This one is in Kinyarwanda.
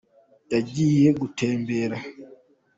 Yagiye gutembera.